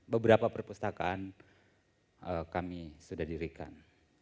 beberapa perpustakaan kami sudah dirikan